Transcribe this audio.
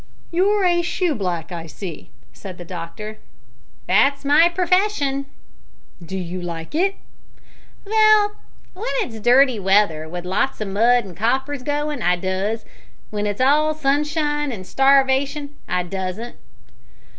"You're a shoeblack, I see," said the doctor. "That's my purfession." "Do you like it?" "Vell, w'en it's dirty weather, with lots o' mud, an' coppers goin', I does. W'en it's all sunshine an' starwation, I doesn't."